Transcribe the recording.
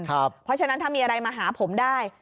เพราะฉะนั้นถ้ามีอะไรมาหาผมได้